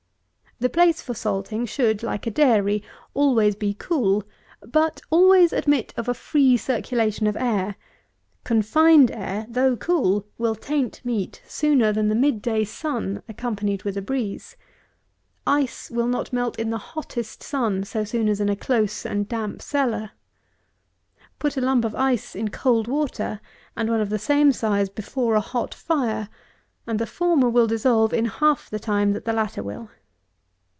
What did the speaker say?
The place for salting should, like a dairy, always be cool, but always admit of a free circulation of air: confined air, though cool, will taint meat sooner than the mid day sun accompanied with a breeze. Ice will not melt in the hottest sun so soon as in a close and damp cellar. Put a lump of ice in cold water, and one of the same size before a hot fire, and the former will dissolve in half the time that the latter will.